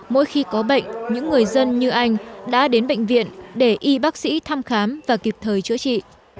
mỗi khi có bệnh những người dân như anh đã đến bệnh viện để y bác sĩ thăm khám và kịp thời chữa trị